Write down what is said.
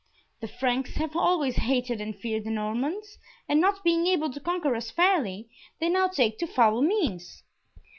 The Franks have always hated and feared the Normans, and not being able to conquer us fairly, they now take to foul means.